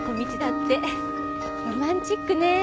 ロマンチックねぇ。